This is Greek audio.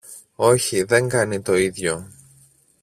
Όχι, δεν κάνει το ίδιο